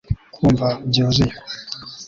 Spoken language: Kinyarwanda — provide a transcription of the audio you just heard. Kwumva byuzuye